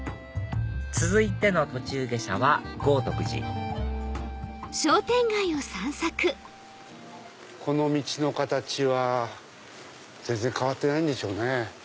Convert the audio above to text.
続いての途中下車は豪徳寺この道の形は全然変わってないんでしょうね。